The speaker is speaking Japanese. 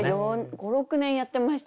５６年やってましたね。